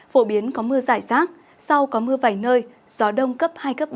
phổ biến có mưa rải rác sau có mưa vài nơi gió đông cấp hai ba